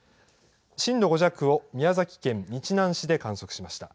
震度５弱を宮崎県日南市で観測しました。